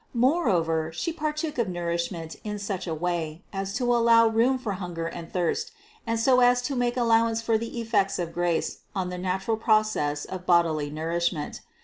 Moreover She partook of nourishment in such a way as to allow room for hunger and thirst and so as to make allowance for the effects of grace on the natural process of bodily nourishment.